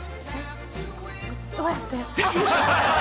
どうやって？